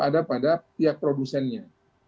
ada pada pihak produsennya